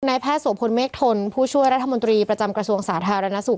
แพทย์โสพลเมฆทนผู้ช่วยรัฐมนตรีประจำกระทรวงสาธารณสุข